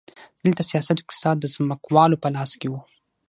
دلته سیاست او اقتصاد د ځمکوالو په لاس کې وو.